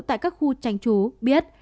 tại các khu tranh trú biết